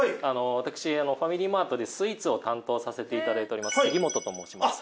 私ファミリーマートでスイーツを担当させていただいております杉本と申します。